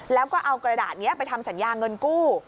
แล้วก็เอากระดาษนี้ไปทำสัญญาเงินกู้